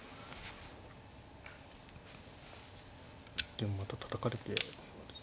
でもまたたたかれて。